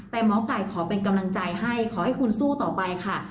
แต่หมอไก่ขอเป็นกำลังใจให้ขอให้คุณสู้ต่อไปค่ะ